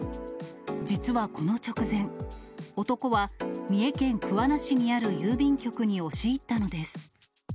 実はこの直前、男は三重県桑名市にある郵便局に押し入ったのです。